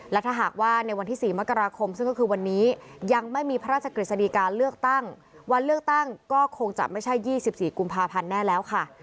และถ้าหากว่าในวันที่๔มกราคมซึ่งก็คือวันนี้ยังไม่มีพระราชกฤษฎีการเลือกตั้งวันเลือกตั้งก็คงจะไม่ใช่๒๔กุมภาพันธ์แน่แล้วค่ะ